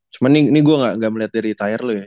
cuma ini gue gak melihat dari tayar lu ya